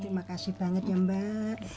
terima kasih banget ya mbak